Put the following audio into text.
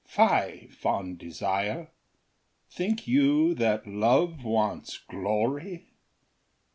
Fie, fond desire, think you that love wants glory.